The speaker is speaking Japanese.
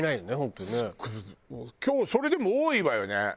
今日それでも多いわよね。